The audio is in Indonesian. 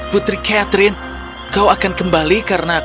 putri catherine kau akan kembali karena kau berdua